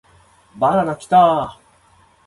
バナナキターーーーーー